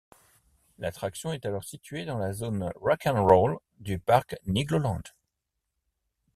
L'attraction est alors située dans la zone Rock'n Roll du parc Nigloland.